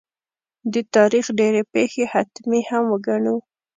د تاریخ ډېرې پېښې حتمي هم وګڼو.